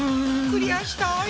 クリアしたい！